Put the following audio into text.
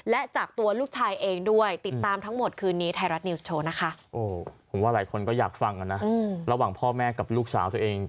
ว่าหลายคนก็อยากฟังนะระหว่างพ่อแม่กับลูกสาวตัวเอง